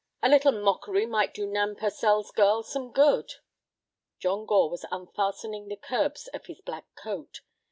A little mockery might do Nan Purcell's girl some good." John Gore was unfastening the curbs of his black cloak.